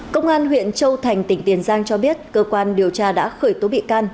công an huyện châu thành tỉnh tiền giang cho biết cơ quan điều tra đã khởi tố bị can